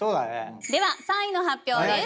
では３位の発表です。